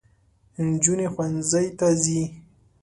نجوني ښوونځۍ ته ځي